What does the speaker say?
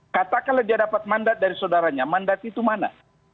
katakanlah dia dapat mandat dari saudaranya mandat itu mana